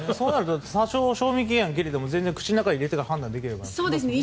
多少賞味期限が過ぎても全然口の中に入れて判断できるからいいですね。